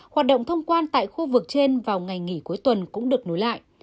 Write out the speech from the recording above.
hoạt động thông quan tại khu vực trên vào ngày nghỉ cuối tuần cũng được nối lại